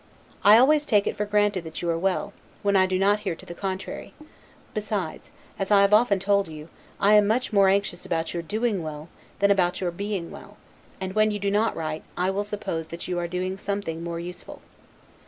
I always take it for granted that you are well, when I do not hear to the contrary; besides, as I have often told you, I am much more anxious about your doing well, than about your being well; and, when you do not write, I will suppose that you are doing something more useful.